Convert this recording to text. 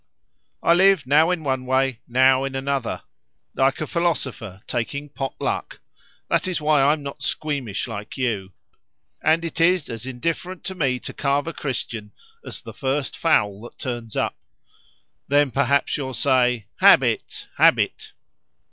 I live now in one way, now in another, like a philosopher, taking pot luck; that is why I am not squeamish like you, and it is as indifferent to me to carve a Christian as the first fowl that turns up. Then, perhaps, you will say, habit! habit!"